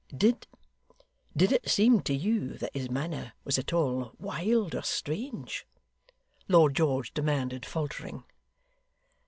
'Did did it seem to you that his manner was at all wild or strange?' Lord George demanded, faltering.